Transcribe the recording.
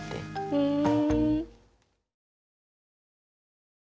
ふん。